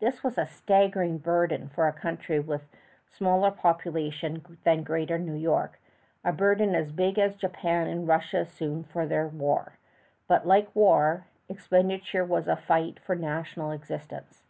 This was a staggering burden for a country with smaller population than Greater New York a burden as big as Japan and Russia assumed for their war; but, like war, the expenditure was a fight for national existence.